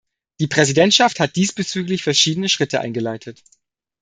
Die Präsidentschaft hat diesbezüglich verschiedene Schritte eingeleitet.